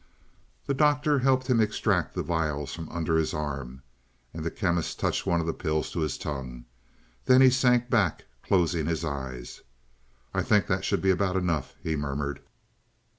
The Doctor helped him extract the vials from under his arm, and the Chemist touched one of the pills to his tongue. Then he sank back, closing his eyes. "I think that should be about enough," he murmured.